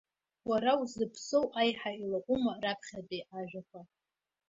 Уара узыԥсоу аиҳа илаҟәума раԥхьатәи ажәақәа?